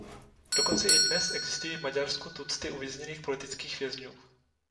Dokonce i dnes existují v Maďarsku tucty uvězněných politických vězňů.